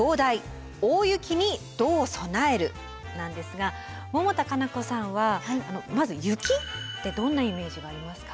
なんですが百田夏菜子さんはまず雪ってどんなイメージがありますか？